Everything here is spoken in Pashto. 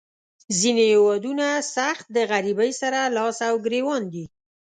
ځینې هیوادونه سخت د غریبۍ سره لاس او ګریوان دي.